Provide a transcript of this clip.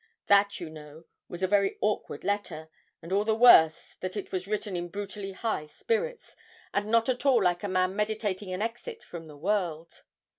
That, you know, was a very awkward letter, and all the worse that it was written in brutally high spirits, and not at all like a man meditating an exit from the world.